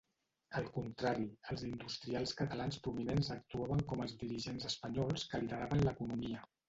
Al contrari, els industrials catalans prominents actuaven com els dirigents espanyols que lideraven l'economia.